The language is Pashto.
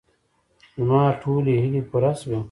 زما ټولې هیلې پوره شوې.